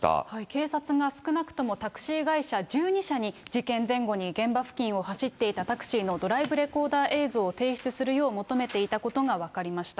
警察が少なくともタクシー会社１２社に事件前後に現場付近を走っていたタクシーのドライブレコーダー映像を提出するよう求めていたことが分かりました。